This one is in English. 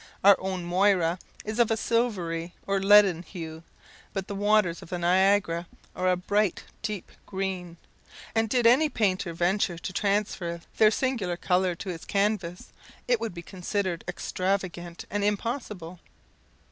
Our own Moira is of a silvery or leaden hue, but the waters of the Niagara are a bright deep green; and did any painter venture to transfer their singular colour to his canvas, it would be considered extravagant and impossible.